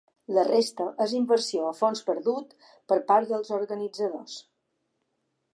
La resta és inversió a fons perdut per part dels organitzadors.